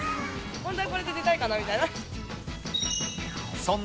本当はこれで出たいかなみたいな。